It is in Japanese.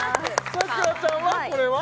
サクラちゃんはこれは？